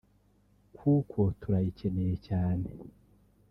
kuko turayikeneye cyane”